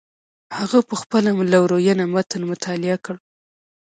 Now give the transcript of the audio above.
هغه په خپله لورینه متن مطالعه کړ.